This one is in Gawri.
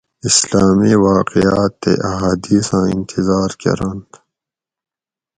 اسلامی واقعات تے احادیثاں انتظار کۤرنت